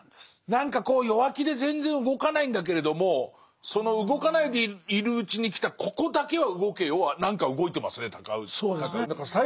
何か弱気で全然動かないんだけれどもその動かないでいるうちに来たここだけは動けよは何か動いてますね尊氏。